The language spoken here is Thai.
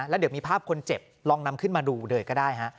แล้วเดี๋ยวมีภาพคนเจ็บลองนำขึ้นมาดูเลยก็ได้ฮะ